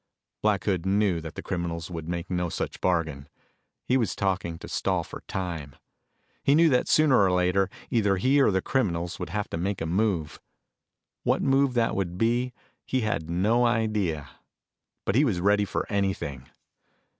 Black Hood knew that the criminals would make no such bargain. He was talking to stall for time. He knew that sooner or later, either he or the criminals would have to make a move. What that move would be, he had no idea. But he was ready for anything.